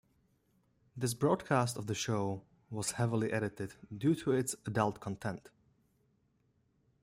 This broadcast of the show was heavily edited due to its adult content.